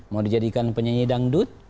mau dijadikan penyanyi dangdut